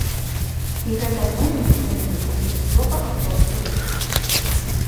І гэта вынік, у тым ліку, і высокага кошту віз.